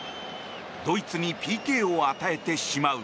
ドイツにＰＫを与えてしまう。